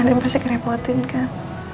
ada yang pasti kerepotin kan